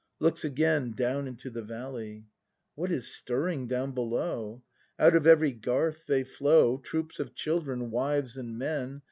[Looks again down into the valley.^ What is stirring down below? Out of every garth they flow. Troops of children, wives and men.